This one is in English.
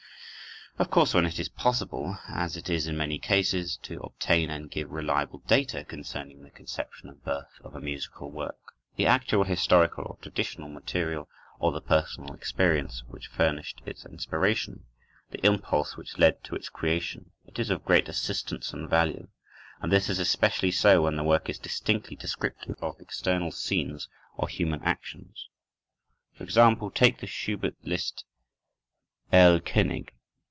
Of course, when it is possible, as it is in many cases, to obtain and give reliable data concerning the conception and birth of a musical work, the actual historical or traditional material, or the personal experience, which furnished its inspiration, the impulse which led to its creation, it is of great assistance and value; and this is especially so when the work is distinctly descriptive of external scenes or human actions. For example, take the Schubert Liszt "Erlkönig."